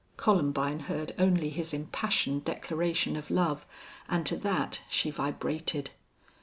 Columbine heard only his impassioned declaration of love, and to that she vibrated.